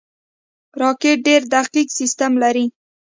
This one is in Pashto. راکټ ډېر دقیق سیستم لري